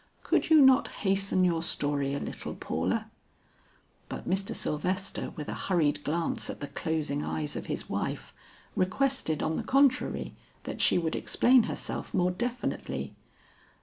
"Could you not hasten your story a little Paula?" But Mr. Sylvester with a hurried glance at the closing eyes of his wife, requested on the contrary that she would explain herself more definitely.